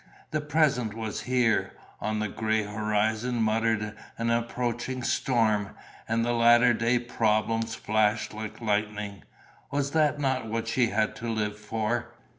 The present was here: on the grey horizon muttered an approaching storm; and the latter day problems flashed like lightning. Was that not what she had to live for?